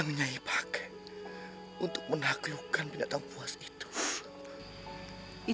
supaya aku dapat kekuatan lagi